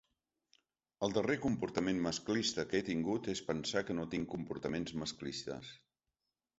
El darrer comportament masclista que he tingut és pensar que no tinc comportaments masclistes.